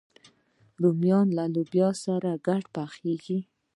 رومیان له لوبیا سره ګډ پخېږي